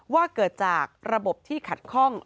ว่าเกิดจากระบบที่ขัดข้อง